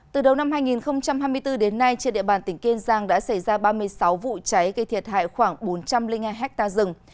từ đầu năm hai nghìn hai mươi bốn đến nay trên địa bàn tỉnh kiên giang đã xảy ra ba mươi sáu vụ cháy gây thiệt hại khoảng bốn trăm linh hai ha rừng